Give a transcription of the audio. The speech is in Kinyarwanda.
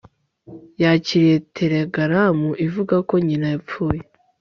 Yakiriye telegaramu ivuga ko nyina yapfuye